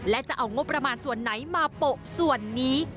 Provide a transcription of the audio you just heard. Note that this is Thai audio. และจะเอางบประมาณส่วนไหนมาโปะส่วนนี้